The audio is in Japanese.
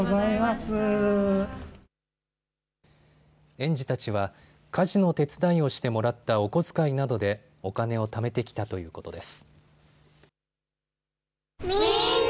園児たちは家事の手伝いをしてもらったお小遣いなどでお金をためてきたということです。